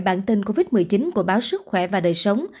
bản tin covid một mươi chín của báo sức khỏe và đời sống